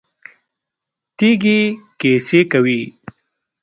تیږې کیسې کوي.